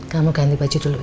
kamu ganti baju dulu